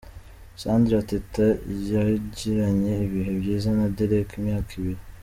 Sandra Teta yagiranye ibihe byiza na Derek imyaka ibiri.